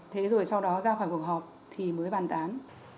thế rồi sau đó ra khỏi cuộc họp thì mới bàn tán